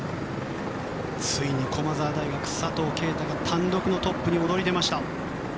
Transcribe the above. ついに駒澤大学の佐藤圭汰が単独のトップに躍り出ました。